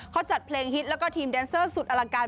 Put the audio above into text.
เขาจัดเพลงฮิตแล้วก็ทีมแดนเซอร์สุดอลังการ